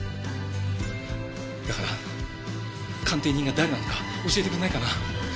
だから鑑定人が誰なのか教えてくれないかな？